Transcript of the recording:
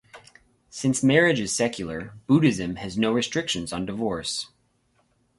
Since marriage is secular, Buddhism has no restrictions on divorce.